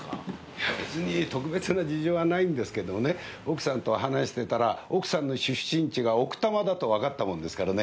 いや別に特別な事情はないんですけどね奥さんと話してたら奥さんの出身地が奥多摩だとわかったもんですからね。